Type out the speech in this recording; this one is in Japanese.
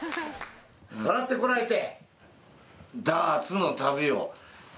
『笑ってコラえて！』。